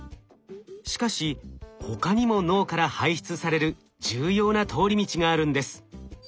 しかし他にも脳から排出される重要な通り道があるんです。